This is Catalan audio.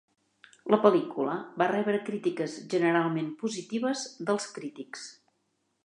La pel·lícula va rebre crítiques generalment positives dels crítics.